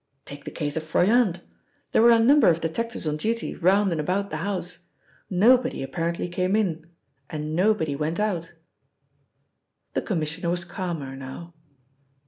Take the case of Froyant: there were a number of detectives on duty round and about the house; nobody apparently came in and nobody went out." The Commissioner was calmer now.